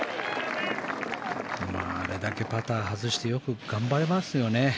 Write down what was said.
あれだけパターを外してよく頑張れますよね。